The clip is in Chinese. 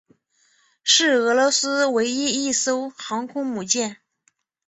是俄罗斯唯一一艘航空母舰。